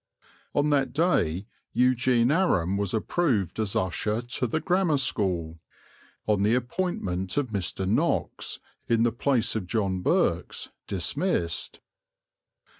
On that day Eugene Aram was approved as usher to the Grammar School, on the appointment of Mr. Knox, in the place of John Birkes, "dismissed."